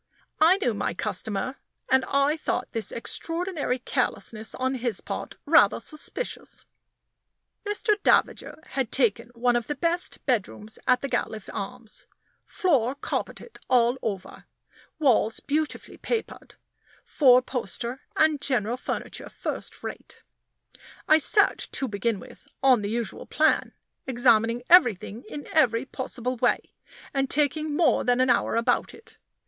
I knew my customer, and I thought this extraordinary carelessness on his part rather suspicious. Mr. Davager had taken one of the best bedrooms at the Gatliffe Arms. Floor carpeted all over, walls beautifully papered, four poster, and general furniture first rate. I searched, to begin with, on the usual plan, examining everything in every possible way, and taking more than an hour about it.